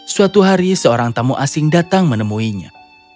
suatu hari seorang tamu asing datang menemuinya